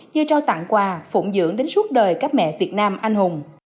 như trao tặng quà phụng dưỡng đến suốt đời các mẹ việt nam anh hùng